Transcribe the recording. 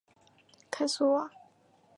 凯苏瓦。